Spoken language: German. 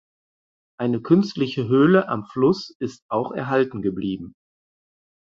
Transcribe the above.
Eine künstliche Höhle am Fluss ist auch erhalten geblieben.